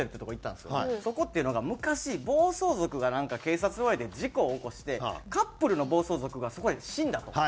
そこっていうのが昔暴走族が警察に追われて事故を起こしてカップルの暴走族がそこで死んだと。